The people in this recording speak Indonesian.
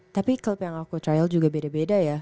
tapi klub yang aku trial juga beda beda ya